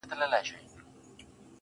فريادي داده محبت کار په سلگيو نه سي.